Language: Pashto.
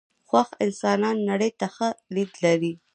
خوښ انسانان نړۍ ته ښه لید لري .